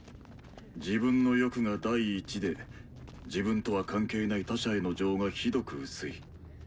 自分の欲が第一で自分とは関係ない他者への情がひどく薄い。